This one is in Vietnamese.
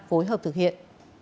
phối hợp thực hiện